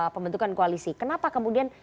pembentukan koalisi kenapa kemudian